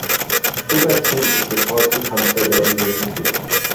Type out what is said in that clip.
Robertson ist bis heute Kanzler der Universität.